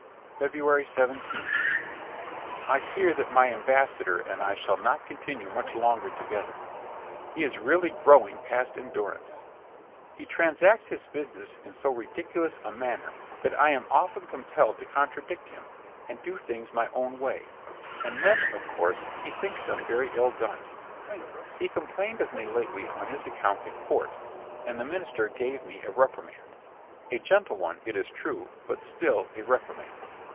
FEBRUARY 17. I fear that my ambassador and I shall not continue much longer together. He is really growing past endurance. He transacts his business in so ridiculous a manner, that I am often compelled to contradict him, and do things my own way; and then, of course, he thinks them very ill done. He complained of me lately on this account at court; and the minister gave me a reprimand, a gentle one it is true, but still a reprimand.